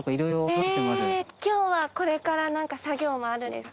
今日はこれから何か作業もあるんですか？